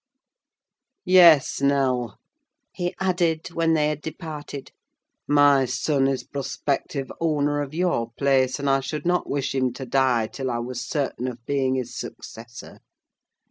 Yes, Nell," he added, when they had departed, "my son is prospective owner of your place, and I should not wish him to die till I was certain of being his successor.